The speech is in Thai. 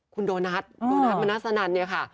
คุณโดนัทโดนัทมนัสนันเนี่ยค่ะ